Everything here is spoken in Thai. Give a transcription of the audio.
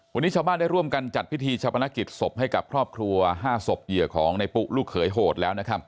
วันนี้ชาวบ้านได้ร่วมกันจัดพิธีชะพนักกิจศพให้กับครอบครัว๕ศพเหยื่อของในปุ๊ลูกเขยโหดแล้วนะครับ